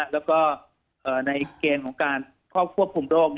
แล้วก็ในเกณฑ์ของการเข้าควบคุมโรค